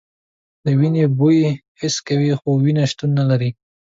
د وینې بوی حس کوي خو وینه شتون نه لري.